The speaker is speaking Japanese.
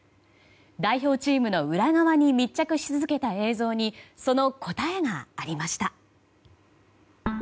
代表チームの裏側に密着し続けた映像にその答えがありました。